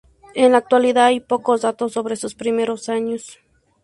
En la actualidad hay pocos datos sobre sus primeros años.